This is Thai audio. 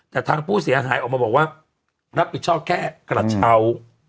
แต่ทางผู้เสียหายออกมาบอกว่ารับผิดชอบแค่กระเช้า